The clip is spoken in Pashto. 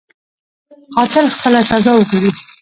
قاتل خپله سزا وګوري.